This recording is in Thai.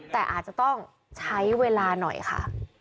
แต่อาจจะต้องใช้เวลาหน่อยค่ะ